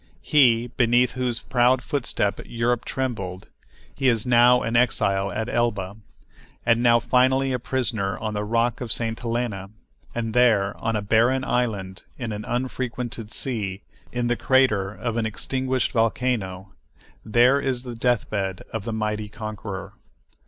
He, beneath whose proud footstep Europe trembled, he is now an exile at Elba, and now finally a prisoner on the rock of St. Helena, and there, on a barren island, in an unfrequented sea, in the crater of an extinguished volcano, there is the death bed of the mighty conqueror.